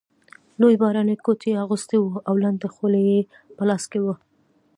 لوی باراني کوټ یې اغوستی وو او لنده خولۍ یې په لاس کې وه.